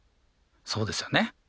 そうですよね。